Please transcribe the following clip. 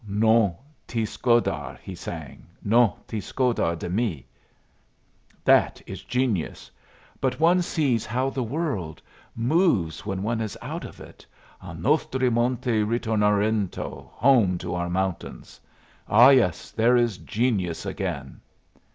"'Non ti scordar,'" he sang "'non ti scordar di me.' That is genius. But one sees how the world; moves when one is out of it. 'A nostri monti ritorneremo'; home to our mountains. Ah, yes, there is genius again."